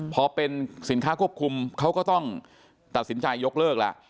พอเป็นสินค้าควบคุมเขาก็ต้องตัดสินใจยกเลิกแล้ว